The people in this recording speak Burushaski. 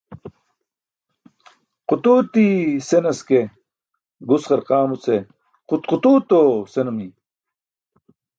Qutuuti senas ke, gus qarqaamuce qut qutuuto senimi.